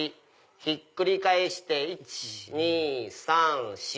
ひっくり返して１・２・３・４。